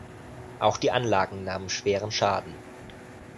Auch die Anlagen nahmen schweren Schaden.